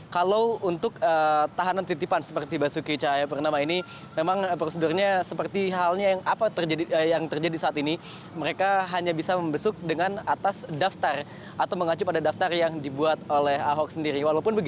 kalau untuk tahanan titipan seperti basuki cahayapurnama ini memang prosedurnya seperti halnya yang terjadi saat ini mereka hanya bisa membesuk dengan atas daftar atau mengacu pada daftar yang dibuat oleh ahok sendiri